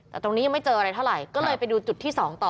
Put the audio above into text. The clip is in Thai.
แต่ตรงนี้ยังไม่เจออะไรเท่าไหร่ก็เลยไปดูจุดที่๒ต่อ